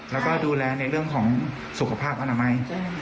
แล้วก็ดูแลในเรื่องของสุขภาพอนามัย